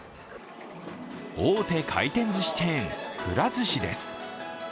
大手回転ずしチェーン、くら寿司です。